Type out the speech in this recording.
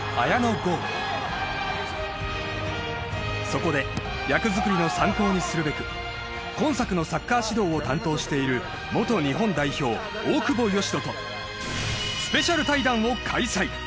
そこで役作りの参考にするべく今作のサッカー指導を担当している元日本代表大久保嘉人とスペシャル対談を開催